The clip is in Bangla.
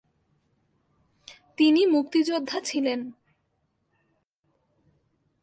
তিনি মুক্তিযোদ্ধা ছিলেন।